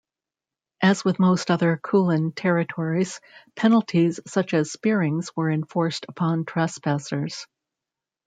As with most other Kulin territories, penalties such as spearings were enforced upon trespassers.